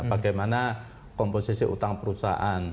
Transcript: bagaimana komposisi utang perusahaan